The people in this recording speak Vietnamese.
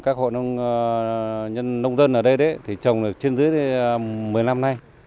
các hộ nông dân ở đây thì trồng được trên dưới một mươi năm nay